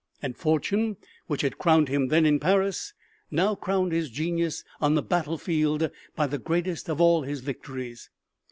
And Fortune, which had crowned him then in Paris, now crowned his genius on the battlefield by the greatest of all his victories.